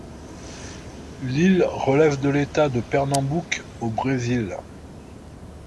L'île relève de l'État de Pernambouc, au Brésil.